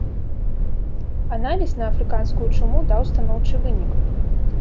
Аналіз на афрыканскую чуму даў станоўчы вынік.